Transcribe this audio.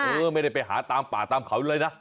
เออไม่ได้ไปหาตามป่าตามเขาเลยนะ